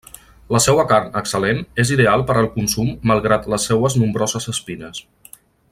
La seua carn excel·lent és ideal per al consum malgrat les seues nombroses espines.